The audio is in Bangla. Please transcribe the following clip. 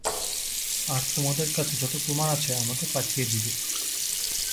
আর তোমার কাছে যত প্রমাণ আছে আমাকে পাঠিয়ে দিবে।